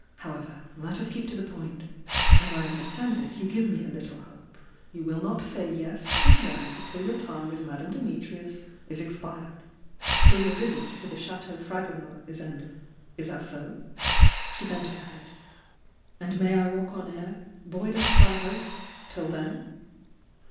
However, let us keep to the point. As I un derstand it, you give me a little hope. You will not say 'yes' or 'no' till your time with Madame Dimitrius is expired — till your visit to the Chateau Fragonard is endad. Is that so?" She bent her head. "And may I walk on air— buoyed up by hope — till then?"